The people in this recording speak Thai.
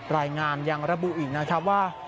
รายงานยังระบุอีกนะครับว่า